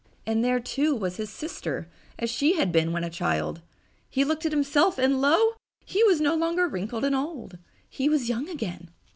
And there, too, was his sister as she had been when a child. He looked at himself, and lo! he was no longer wrinkled and old. He was young again!